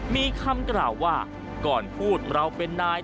มีคำกล่าวว่าก่อนพูดเราเป็นนาย